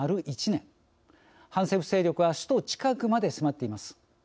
反政府勢力は首都近くまで迫っています。